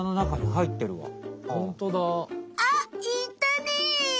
あっいたね！